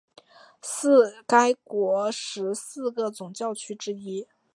是该国十四个总教区之一。